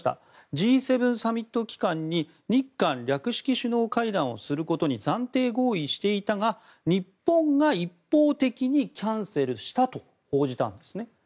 Ｇ７サミット期間に日韓略式首脳会談をすることに暫定合意していたが日本が一方的にキャンセルしたと報じたんですね。